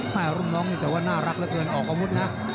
ห้ายรุ่นน้องนี่แต่ว่าน่ารักแล้วเกินออกกว่ามุทรนะ